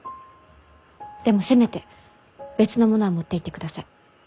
でもせめて別のものは持っていってください。